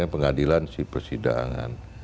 pengadilan si persidangan